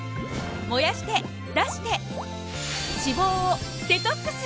燃やして出して脂肪をデトックス！